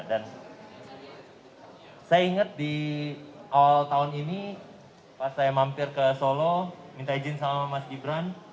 dan saya ingat di awal tahun ini pas saya mampir ke solo minta izin sama mas gibran